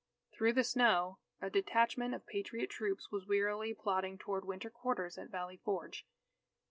Through the snow, a detachment of Patriot troops was wearily plodding toward winter quarters at Valley Forge.